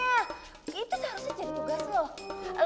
itu seharusnya jadi tugas lo